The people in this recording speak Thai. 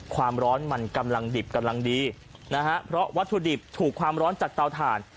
ความร้อนมันกำลังดิบกำลังดีนะฮะเพราะวัตถุดิบถูกความร้อนจากเตาถ่าน